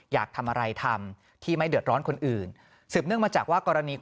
อยากทำอะไรทำที่ไม่เดือดร้อนคนอื่นสืบเนื่องมาจากว่ากรณีของ